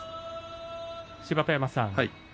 芝田山さん